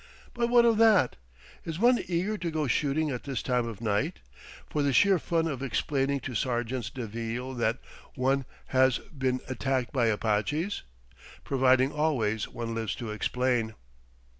But what of that? Is one eager to go shooting at this time of night, for the sheer fun of explaining to sergents de ville that one has been attacked by Apaches? ... Providing always one lives to explain!"